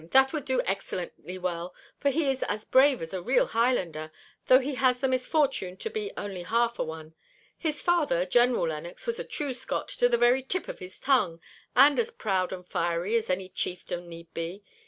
That would do excellently well, for he is as brave as a real Highlander, though he has the misfortune to be only half a one. His father, General Lennox, was a true Scot to the very tip of his tongue, and as proud and fiery as any chieftain need be.